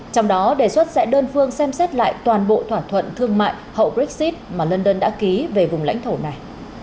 trong đó đề xuất sẽ đơn phương xem xét lại toàn bộ thỏa thuận thương mại hậu brexit mà london đã ký về vùng lãnh thổ này